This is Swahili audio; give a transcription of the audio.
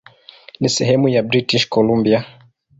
Ni sehemu ya British Columbia.